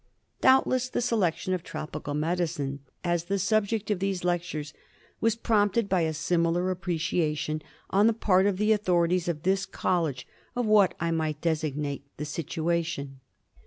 Doubtless the selection A 2 4 GEOGRAPHICAL DISTRIBUTION of Tropical Medicine as the subject for these lectures was prompted by a similar appreciation on the part of the authorities of this College of what I might designate the situation.